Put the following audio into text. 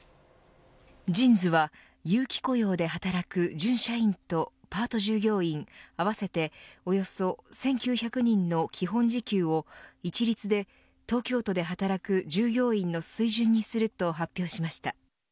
ＪＩＮＳは有期雇用で働く準社員とパート従業員、合わせておよそ１９００人の基本時給を一律で、東京都で働く従業員の水準にすると発表しました。